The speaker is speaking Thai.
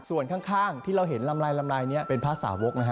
ส่วนข้างที่เราเห็นลำลายนี้เป็นภาษากนะฮะ